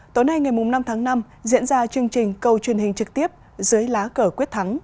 tối nay ngày năm tháng năm diễn ra chương trình câu truyền hình trực tiếp dưới lá cờ quyết thắng